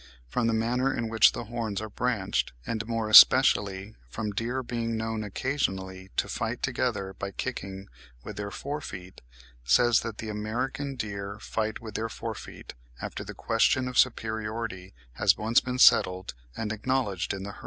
From the manner in which the horns are branched, and more especially from deer being known occasionally to fight together by kicking with their fore feet (25. Hon. J.D. Caton ('Ottawa Acad. of Nat. Science,' May 1868, p. 9) says that the American deer fight with their fore feet, after "the question of superiority has been once settled and acknowledged in the herd."